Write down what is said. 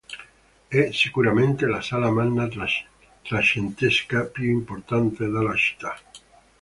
È sicuramente la sala magna trecentesca più importante della città.